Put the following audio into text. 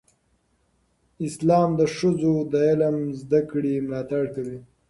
اسلام د ښځو د علم زده کړې ملاتړ کوي.